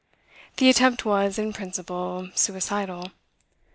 The attempt was, in principle, suicidal.